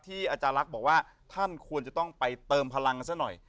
อาจารย์ลักษณ์บอกว่าท่านควรจะต้องไปเติมพลังซะหน่อย